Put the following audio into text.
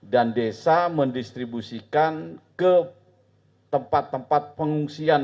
dan desa mendistribusikan ke tempat tempat pengungsian